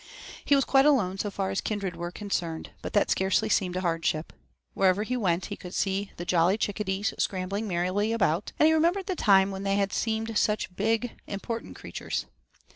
He was quite alone so far as kindred were concerned, but that scarcely seemed a hardship. Wherever he went he could see the jolly chickadees scrambling merrily about, and he remembered the time when they had seemed such big, important creatures.